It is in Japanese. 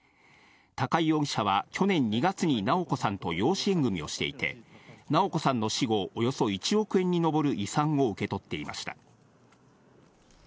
高井容疑者は去年２月に直子さんと養子縁組をしていて、直子さんの死後、およそ１億円に上る遺産を受け取っていました。